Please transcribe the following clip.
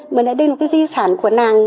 mà lại đây là cái di sản của nàng